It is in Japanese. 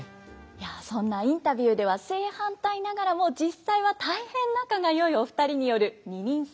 いやそんなインタビューでは正反対ながらも実際は大変仲が良いお二人による「二人三番叟」。